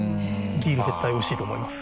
ビール絶対おいしいと思います。